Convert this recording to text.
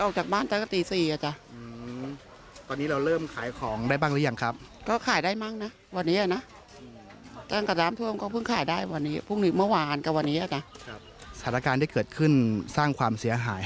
ออกจากบ้านตั้งแต่ก็ตี๔อาจอะ